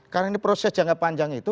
karena ini proses jangka panjang itu